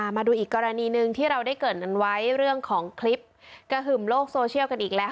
มาดูอีกกรณีหนึ่งที่เราได้เกิดกันไว้เรื่องของคลิปกระหึ่มโลกโซเชียลกันอีกแล้ว